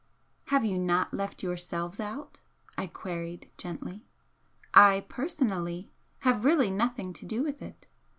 "Have you not left yourselves out?" I queried, gently. "I, personally, have really nothing to do with it.